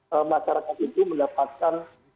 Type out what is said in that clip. perangkat itu mendapatkan